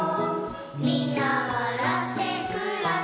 「みんなわらってくらしてる」